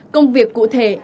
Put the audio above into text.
công việc cụ thể